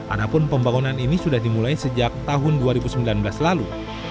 adapun pembangunan ini sudah dimulai sejak tahun dua ribu sembilan belas lalu